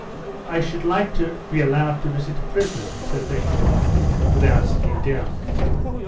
"I should like to be allowed to visit a prisoner," said Nekhludoff, without sitting down.